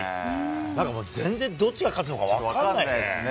なんか全然、どっちが勝つのか分かんないね。